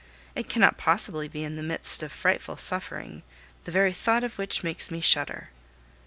It cannot possibly be in the midst of frightful suffering, the very thought of which makes me shudder.